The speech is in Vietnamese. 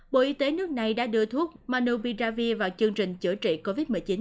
bộ y tế nước này đã đưa thuốc manoviravi vào chương trình chữa trị covid một mươi chín